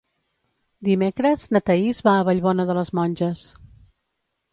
Dimecres na Thaís va a Vallbona de les Monges.